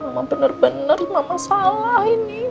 mama bener bener mama salah ini